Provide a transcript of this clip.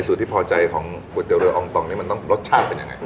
ที่พอใจของก๋วยเตี๋ยเรืออองต่องนี้มันต้องรสชาติเป็นยังไง